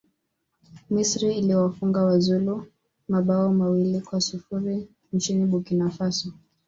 misri iliwafunga wazulu mabao mawili kwa sifuri nchini burkina faso